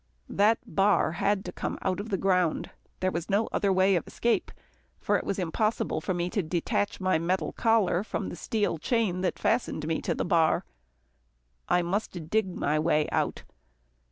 That bar had to come out of the ground. There was no other way of escape, for it was impossible for me to detach my metal collar from the steel chain that fastened me to the bar. I must dig my way out.